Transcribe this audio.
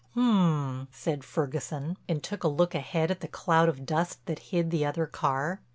"Um," said Ferguson, and took a look ahead at the cloud of dust that hid the other car.